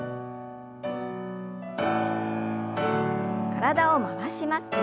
体を回します。